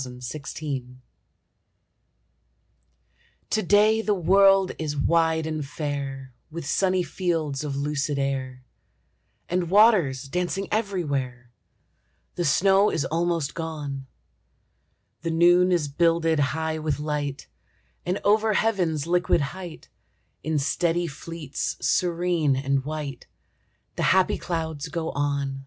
APRIL IN THE HILLS To day the world is wide and fair With sunny fields of lucid air, And waters dancing everywhere; The snow is almost gone; The noon is builded high with light, And over heaven's liquid height, In steady fleets serene and white, The happy clouds go on.